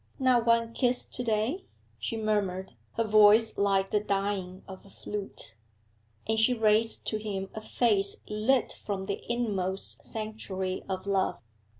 'Not one kiss to day?' she murmured, her voice like the dying of a flute. And she raised to him a face lit from the inmost sanctuary of love.